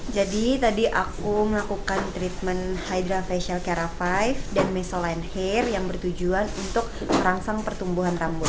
jadi tadi aku melakukan treatment hydra facial keravive dan micelline hair yang bertujuan untuk merangsang pertumbuhan rambut